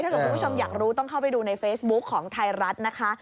คุณผู้ชมอยากรู้ต้องเข้าไปดูในเฟซบุ๊คของไทยรัฐนะคะ